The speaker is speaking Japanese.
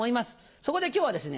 そこで今日はですね